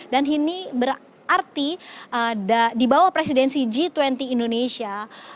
dan ini berarti di bawah presidensi g dua puluh indonesia